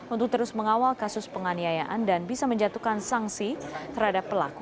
untuk terus mengawal kasus penganiayaan dan bisa menjatuhkan sanksi terhadap pelaku